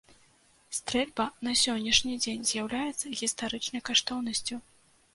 Стрэльба на сённяшні дзень з'яўляецца гістарычнай каштоўнасцю.